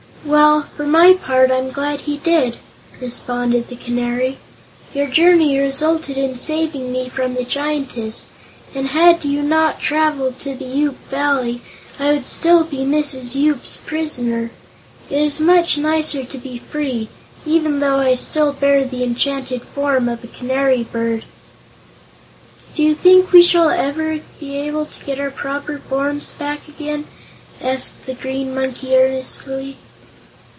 "Well, for my part, I am glad he did," responded the Canary. "Your journey resulted in saving me from the Giantess, and had you not traveled to the Yoop Valley, I would still be Mrs. Yoop's prisoner. It is much nicer to be free, even though I still bear the enchanted form of a Canary Bird." "Do you think we shall ever be able to get our proper forms back again?" asked the Green Monkey earnestly.